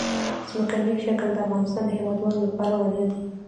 ځمکنی شکل د افغانستان د هیوادوالو لپاره ویاړ دی.